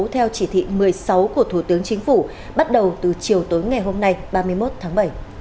theo chỉ thị một mươi sáu của thủ tướng chính phủ bắt đầu từ chiều tối ngày hôm nay ba mươi một tháng bảy